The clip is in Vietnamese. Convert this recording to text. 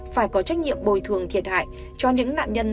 phải có trách nhiệm bồi thường thiệt hại cho những nạn nhân